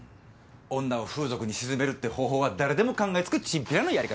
女を風俗に沈めるって方法は誰でも考えつくチンピラなやり方。